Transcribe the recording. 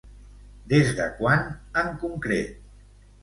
Des de quan, en concret?